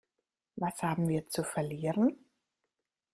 Was haben wir zu verlieren?